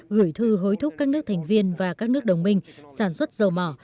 gửi thư hối thúc các nước thành viên và các nước đồng minh sản xuất dầu mỏ